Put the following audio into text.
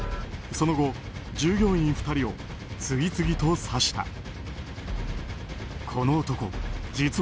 その後、従業員２人を次々と刺した。